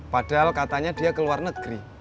padahal katanya dia ke luar negeri